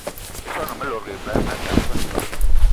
I swan ame lòdgì eba eme atan va